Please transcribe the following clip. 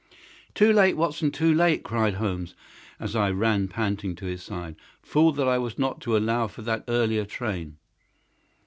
"Too late, Watson; too late!" cried Holmes, as I ran panting to his side. "Fool that I was not to allow for that earlier train!